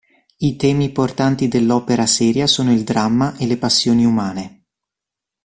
I temi portanti dell'opera seria sono il dramma e le passioni umane.